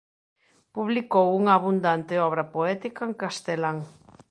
Publicou unha abundante obra poética en castelán.